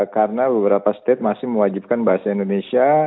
karena beberapa state masih mewajibkan bahasa indonesia